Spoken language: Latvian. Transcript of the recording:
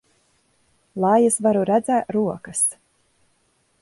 Lai es varu redzēt rokas!